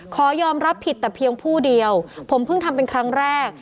ขอยอมรับผิดแต่เพียงผู้เดียวผมเพิ่งทำเป็นครั้งแรก